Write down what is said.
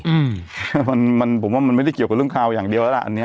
อืมมันมันผมว่ามันไม่ได้เกี่ยวกับเรื่องข่าวอย่างเดียวแล้วล่ะอันเนี้ย